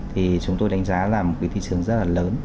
thì chúng tôi đánh giá là một cái thị trường rất là lớn